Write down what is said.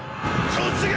突撃！！